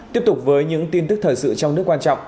tiếp tục với những tin tức thời sự trong nước quan trọng